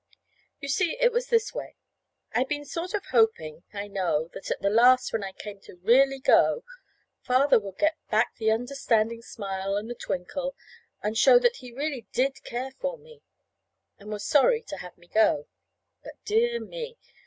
You see, it was this way: I'd been sort of hoping, I know, that at the last, when I came to really go, Father would get back the understanding smile and the twinkle, and show that he really did care for me, and was sorry to have me go. But, dear me!